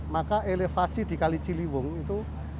maka elevasi di kalijirimung itu